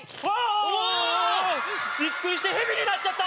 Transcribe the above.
わっ！びっくりして蛇になっちゃった！